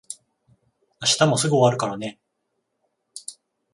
明日もすぐ終わるからね。